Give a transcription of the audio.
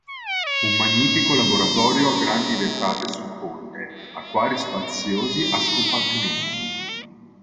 Un magnifico laboratorio a grandi vetrate sul ponte, acquari spaziosi a scompartimenti.